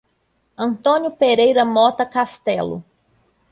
Antônio Pereira Mota Castelo